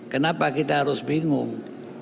kenapa kita harus bingung